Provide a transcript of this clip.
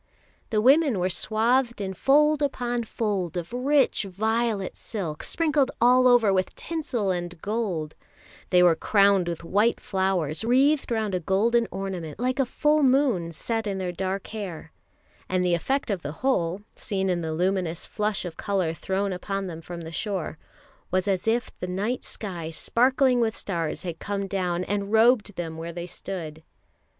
The women were swathed in fold upon fold of rich violet silk, sprinkled all over with tinsel and gold; they were crowned with white flowers, wreathed round a golden ornament like a full moon set in their dark hair; and the effect of the whole, seen in the luminous flush of colour thrown upon them from the shore, was as if the night sky sparkling with stars had come down and robed them where they stood.